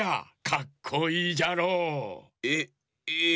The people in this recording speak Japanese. かっこいいじゃろう。えええ。